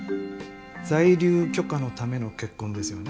在留許可のための結婚ですよね？